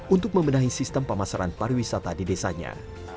untuk membenahi sistem pemasaran pariwisata di desanya